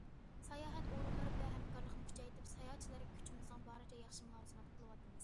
ساياھەت ئورۇنلىرى بىلەن ھەمكارلىقنى كۈچەيتىپ، ساياھەتچىلەرگە كۈچىمىزنىڭ بارىچە ياخشى مۇلازىمەت قىلىۋاتىمىز.